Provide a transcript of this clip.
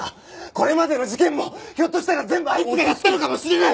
これまでの事件もひょっとしたら全部あいつがやったのかもしれない！